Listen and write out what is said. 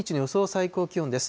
最高気温です。